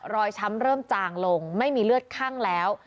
ช้ำเริ่มจางลงไม่มีเลือดคั่งแล้ว